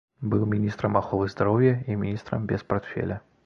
Быў міністрам аховы здароўя і міністрам без партфеля.